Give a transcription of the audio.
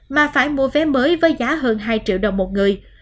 mà phải mua vé mới với giá hơn hai triệu đồng một người